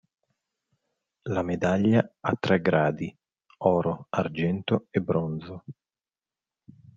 La medaglia ha tre gradi: Oro, Argento e Bronzo.